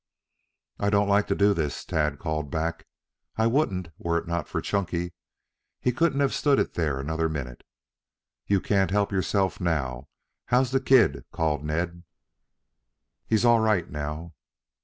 "I don't like to do this," Tad called back. "I wouldn't, were it not for Chunky. He couldn't have stood it there another minute." "You can't help yourself now. How's the kid?" called Ned. "He's all right now."